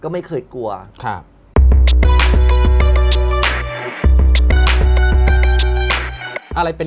แมทโอปอล์